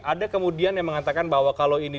ada kemudian yang mengatakan bahwa kalau ini